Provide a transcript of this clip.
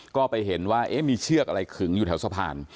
ก็ไปเห็นว่ามีเชือกอะไรขึงอยู่แถวสะพาน